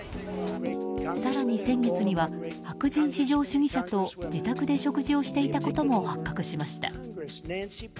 更に、先月には白人至上主義者と自宅で食事をしていたことも発覚しました。